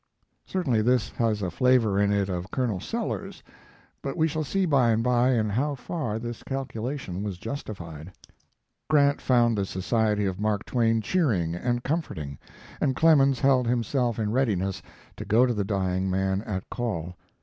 Certainly this has a flavor in it of Colonel Sellers, but we shall see by and by in how far this calculation was justified. Grant found the society of Mark Twain cheering and comforting, and Clemens held himself in readiness to go to the dying man at call.